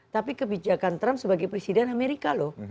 tapi kebijakan trump sebagai presiden amerika loh